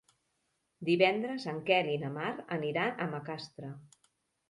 Divendres en Quel i na Mar aniran a Macastre.